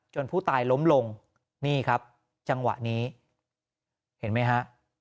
ผู้ตายล้มลงนี่ครับจังหวะนี้เห็นไหมฮะ